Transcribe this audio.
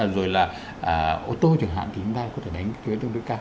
rồi là ô tô chẳng hạn thì chúng ta có thể đánh thuế tương đối cao